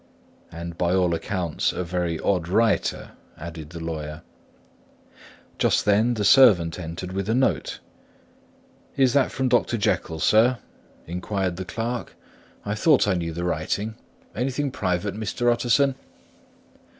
"And by all accounts a very odd writer," added the lawyer. Just then the servant entered with a note. "Is that from Dr. Jekyll, sir?" inquired the clerk. "I thought I knew the writing. Anything private, Mr. Utterson?"